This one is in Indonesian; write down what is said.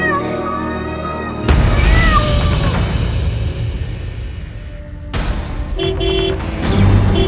dia bahkan mabuk karena dia di mahukan